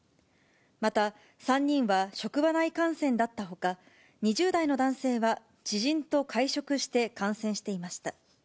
また３人は職場内感染だったほか、２０代の男性は知人と会食して感染していました。